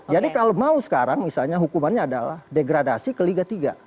jadi kalau mau sekarang misalnya hukumannya adalah degradasi ke liga tiga